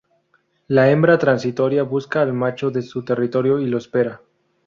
La hembra transitoria busca al macho en su territorio y lo espera.